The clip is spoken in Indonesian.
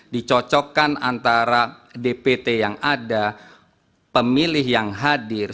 dicocokkan antara dpt yang ada pemilih yang hadir